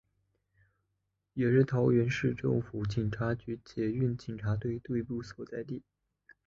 也是桃园市政府警察局捷运警察队队部所在地。